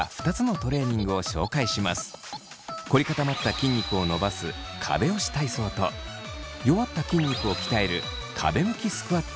凝り固まった筋肉を伸ばす壁押し体操と弱った筋肉を鍛える壁向きスクワットの２つ。